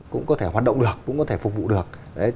cũng có thể hoạt động được cũng có thể phục vụ được